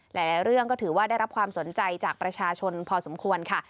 หลายเรื่องก็ถือว่าได้รับความสนใจจากประชาชนพอสมควรค่ะ